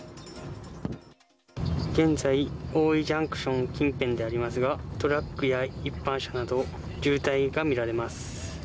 現在、大井ジャンクション近辺でありますがトラックや一般車など渋滞がみられます。